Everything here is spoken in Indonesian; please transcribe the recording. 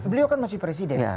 beliau kan masih presiden